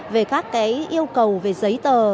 về các yêu cầu về giấy tờ